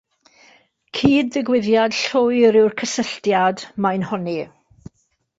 Cyd-ddigwyddiad llwyr yw'r cysylltiad, mae'n honni.